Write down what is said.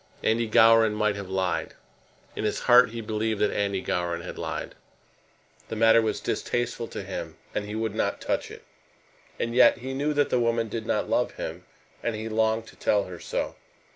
Andy Gowran might have lied. In his heart he believed that Andy Gowran had lied. The matter was distasteful to him, and he would not touch it. And yet he knew that the woman did not love him, and he longed to tell her so.